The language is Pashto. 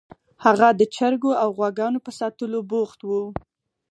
هغه د چرګو او غواګانو په ساتلو بوخت و